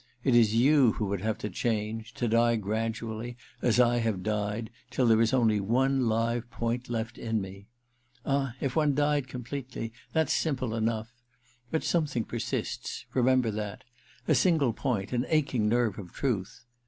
It is you who would have to change — to die gradually, as I have died, till there is onljr one live point left in me. Ah, if one died conjh pletely — that's simple enough ! But something 312 THE QUICKSAND iii persists — remember that — a single point, an aching nerve of truth.